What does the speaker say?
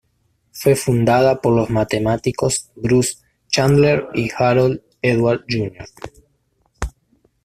Fue fundada por los matemáticos Bruce Chandler y Harold Edwards Jr.